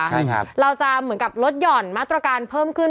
ใช่ครับเราจะเหมือนกับลดหย่อนมาตรการเพิ่มขึ้น